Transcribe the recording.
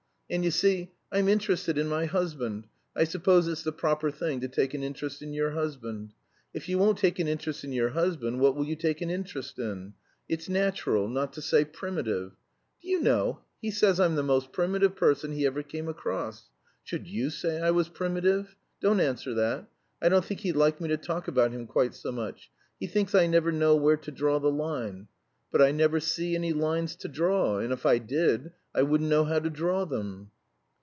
And, you see, I'm interested in my husband. I suppose it's the proper thing to take an interest in your husband. If you won't take an interest in your husband, what will you take an interest in? It's natural not to say primitive. Do you know, he says I'm the most primitive person he ever came across. Should you say I was primitive? Don't answer that. I don't think he'd like me to talk about him quite so much. He thinks I never know where to draw the line. But I never see any lines to draw, and if I did, I wouldn't know how to draw them."